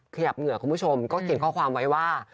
ขยับเหงื่อคุณผู้ชมก็เขียนข้อความไว้ว่า